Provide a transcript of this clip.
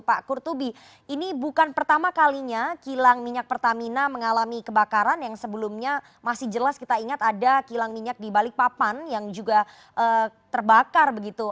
pak kurtubi ini bukan pertama kalinya kilang minyak pertamina mengalami kebakaran yang sebelumnya masih jelas kita ingat ada kilang minyak di balikpapan yang juga terbakar begitu